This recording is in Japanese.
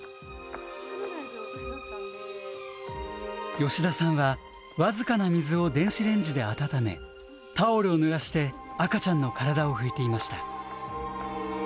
吉田さんは僅かな水を電子レンジで温めタオルをぬらして赤ちゃんの体を拭いていました。